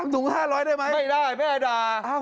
ถุง๕๐๐ได้ไหมไม่ได้แม่ด่า